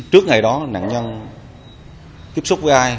trước ngày đó nạn nhân tiếp xúc với ai